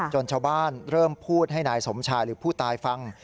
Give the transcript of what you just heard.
ชาวบ้านเริ่มพูดให้นายสมชายหรือผู้ตายฟัง